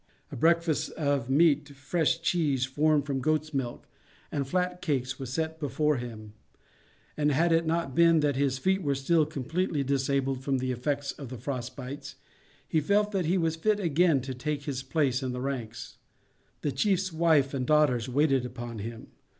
A breakfast of meat, fresh cheese formed from goats' milk, and flat cakes was set before him, and, had it not been that his feet were still completely disabled from the effects of the frostbites, he felt that he was fit again to take his place in the ranks. The chief's wife and daughters waited upon him.